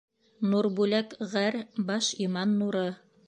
Нурбүләк ғәр., баш. — иман нуры;